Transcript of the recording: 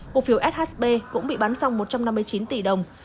cổ phiếu shb cũng bị bắn dòng một trăm năm mươi chín tỷ đồng